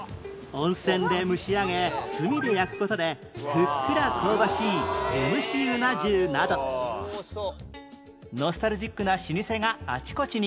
温泉で蒸し上げ炭で焼く事でふっくら香ばしい湯むしうな重などノスタルジックな老舗があちこちに